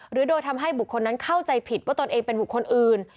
หรือโดยทำให้บุคคลนั้นเข้าใจผิดว่าตนเองเป็นบุคคลอื่น